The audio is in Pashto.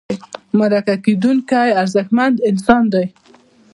مرکه کېدونکی ارزښتمن انسان دی.